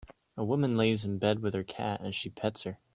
A woman lays in bed with her cat as she pets her